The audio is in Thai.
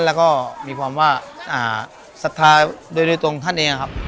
แล้วก็มีความว่าศรัทธาโดยตรงท่านเองครับ